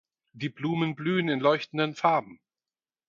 Die Blumen blühen in leuchtenden Farben.